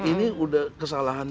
ini udah kesalahan